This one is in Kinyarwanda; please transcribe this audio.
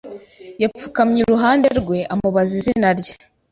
Yapfukamye iruhande rwe, amubaza izina rye.